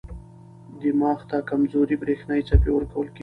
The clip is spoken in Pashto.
دماغ ته کمزورې برېښنايي څپې ورکول کېږي.